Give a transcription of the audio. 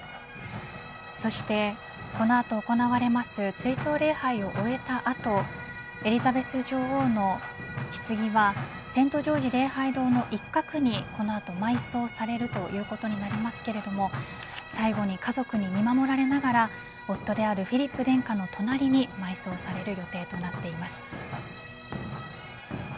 そしてこの後行われます追悼礼拝を終えた後エリザベス女王のひつぎはセント・ジョージ礼拝堂の一角にこの後、埋葬されるということになりますけれども最後に家族に見守れながら夫であるフィリップ殿下の隣に埋葬される予定となっています。